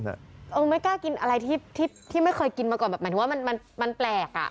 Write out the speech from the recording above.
เออไม่กล้ากินอะไรที่ไม่เคยกินมาก่อนแบบหมายถึงว่ามันแปลกอ่ะ